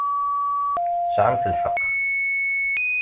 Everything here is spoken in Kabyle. Tesɛamt lḥeqq.